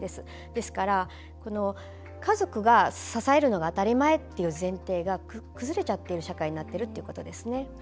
ですから、家族が支えるのが当たり前っていう前提が崩れちゃってる社会になってるっていうことですね。